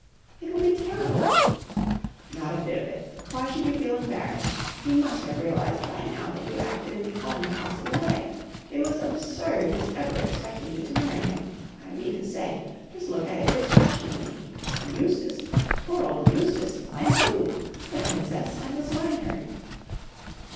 "It will be terrible." "Not a bit of it. Why should you feel embarrassed? He must have realised by now that you acted in the only possible way. It was absurd his ever expecting you to marry him. I mean to say, just look at it dispassionately ... Eustace ... poor old Eustace ... and you! The Princess and the Swineherd!"